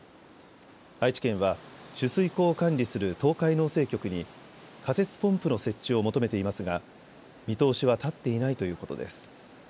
愛知県は取水口を管理する東海農政局に仮設ポンプの設置を求めていますが見通しは立っていないということです。